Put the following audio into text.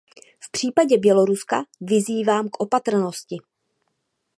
V případě Běloruska vyzývám k opatrnosti.